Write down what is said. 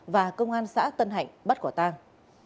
và công an xã tân hạnh bắt quả tang